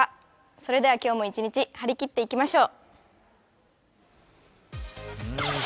それでは今日も一日、張り切っていきましょう！